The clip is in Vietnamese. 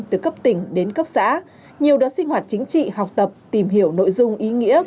từ cấp tỉnh đến cấp xã nhiều đợt sinh hoạt chính trị học tập tìm hiểu nội dung ý nghĩa